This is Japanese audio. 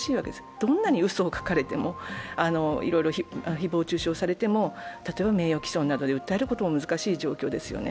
どんなにうそを書かれてもいろいろ誹謗中傷されても例えば名誉毀損などで訴えることも難しい状況ですよね。